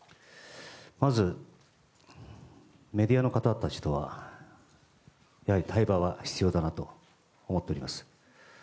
まずメディアの方たちとはやはり対話は必要だなと思っております。